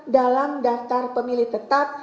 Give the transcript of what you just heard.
dalam daftar pemilih tetap